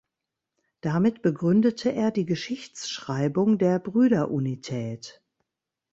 Damit begründete er die Geschichtsschreibung der Brüderunität.